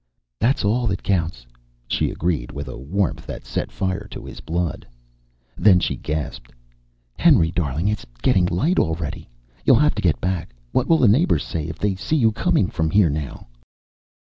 "That's all that counts," she agreed with a warmth that set fire to his blood. Then she gasped. "Henry, darling, it's getting light already! You'll have to get back. What will the neighbors say if they see you coming from here now?"